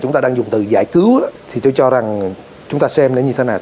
chúng ta đang dùng từ giải cứu đó thì tôi cho rằng chúng ta xem nó như thế nào